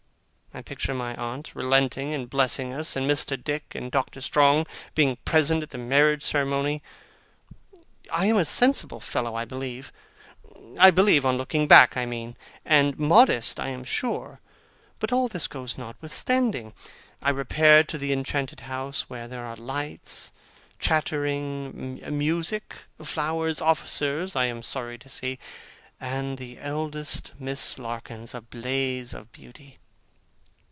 I picture my aunt relenting, and blessing us; and Mr. Dick and Doctor Strong being present at the marriage ceremony. I am a sensible fellow, I believe I believe, on looking back, I mean and modest I am sure; but all this goes on notwithstanding. I repair to the enchanted house, where there are lights, chattering, music, flowers, officers (I am sorry to see), and the eldest Miss Larkins, a blaze of beauty.